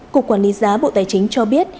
cục quản lý giá bộ tài chính cho biết